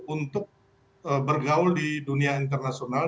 untuk bergaul di dunia internasional